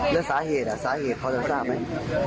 แล้วสาเหตุเขาจะรู้จักไหม